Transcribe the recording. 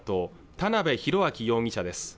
田辺宏明容疑者です